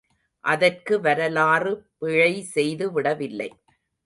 அதற்கு வரலாறு பிழைசெய்து விடவில்லை.